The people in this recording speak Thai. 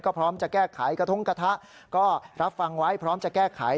ก็พร้อมจะแก้ไขกระทงกระทะก็รับฟังไว้พร้อมจะแก้ไข